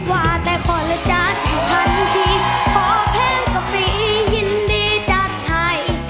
ว่าแต่พ่อแล้วจัดอยู่ทั้งทีพ่อเพลงก็มียินดีจัดให้